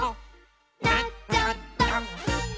「なっちゃった！」